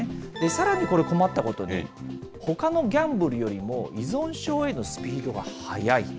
さらにこれ、困ったことに、ほかのギャンブルよりも依存症へのスピードが速い。